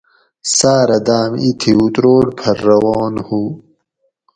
ساٞرہ داٞم اِتھی اُتروڑ پھر روان ہُو